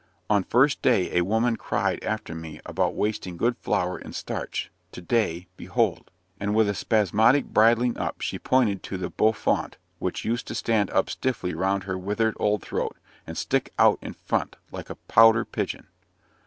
On First day a woman cried after me about wasting good flour in starch to day, behold." And with a spasmodic bridling up, she pointed to the bouffante which used to stand up stiffly round her withered old throat, and stick out in front like a pouter pigeon.